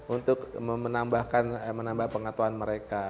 untuk menambah pengetahuan mereka